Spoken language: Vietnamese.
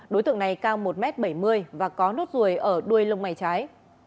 đối tượng này cao một m bảy mươi và có nốt ruồi ở đuôi lông mày trái